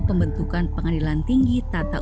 pembentukan pengadilan tinggi tata